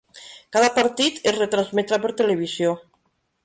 Cada partit es retransmetrà per televisió.